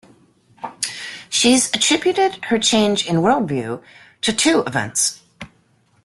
She has attributed her change in worldview to two events.